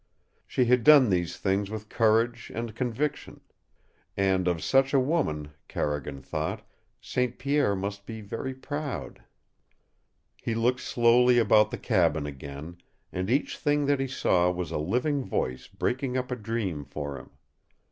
She had done these things with courage and conviction. And of such a woman, Carrigan thought, St. Pierre must be very proud. He looked slowly about the cabin again and each thing that he saw was a living voice breaking up a dream for him.